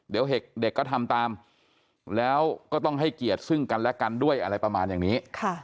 เดี๋ยวเด็กก็ทำตามแล้วก็ต้องให้เกียรติซึ่งกันและกันด้วยอะไรประมาณอย่างนี้